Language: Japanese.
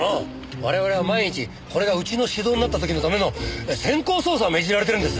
我々は万一これがうちの主導になった時のための先行捜査を命じられているんです。